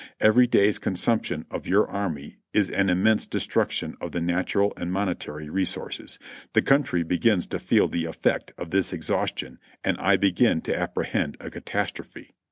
Every day's consumption of j^our army is an immense destruc tion of the natural and monetary resources. The country begins to feel the effect of this exhaustion and I begin to apprehend a catastrophe.